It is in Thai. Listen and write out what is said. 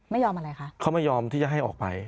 ไม่ยอมอะไรคะเขาไม่ยอมที่จะให้ออกไป